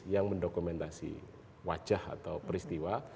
yang mendokumentasi wajah atau peristiwa